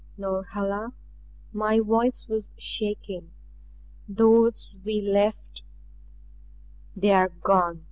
"Norhala!" My voice was shaking. "Those we left " "They are gone!"